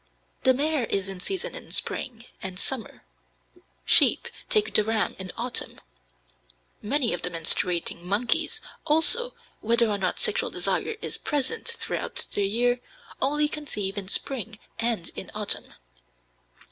The mare is in season in spring and summer; sheep take the ram in autumn. Many of the menstruating monkeys also, whether or not sexual desire is present throughout the year, only conceive in spring and in autumn.